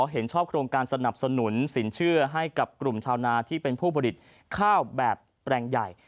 เห็นชอบโครงการสนับสนุนสินเชื่อให้กับกลุ่มชาวนาที่เป็นผู้ผลิตข้าวแบบแปลงใหญ่